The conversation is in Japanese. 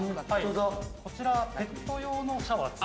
こちらはペット用のシャワーです。